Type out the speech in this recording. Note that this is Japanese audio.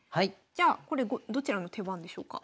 じゃあこれどちらの手番でしょうか？